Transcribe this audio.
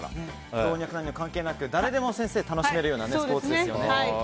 老若男女関係なく誰でも楽しめるスポーツですね。